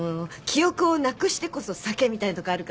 記憶をなくしてこそ酒みたいなとこあるからさ。